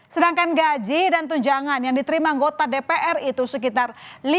sedangkan gaji dan tunjangan yang diterima anggota dpr itu sekitar